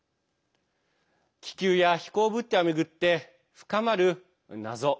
気球や飛行物体を巡って深まる謎。